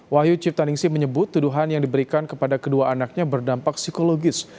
wahyu ciptaningsi menyebut tuduhan yang diberikan kepada kedua anaknya berdampak psikologis